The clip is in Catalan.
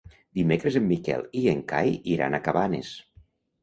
Dimecres en Miquel i en Cai iran a Cabanes.